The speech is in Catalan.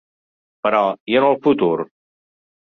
Però, i en el futur?